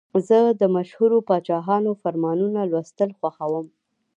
زه د مشهورو پاچاهانو فرمانونه لوستل خوښوم.